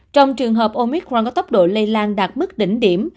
trong trường hợp omicron có tốc độ lây lan đạt mức đỉnh điểm